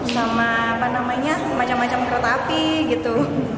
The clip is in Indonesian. sama apa namanya macam macam kereta api gitu